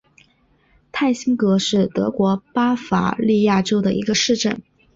泰辛格是德国巴伐利亚州的一个市镇。